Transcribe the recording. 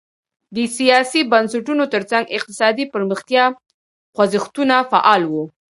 د سیاسي بنسټونو ترڅنګ اقتصادي پرمختیا خوځښتونه فعال وو.